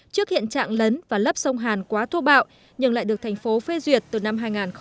trước hiện trạng lấn và lấp sông hàn quá thua bạo nhưng lại được thành phố phê duyệt từ năm hai nghìn chín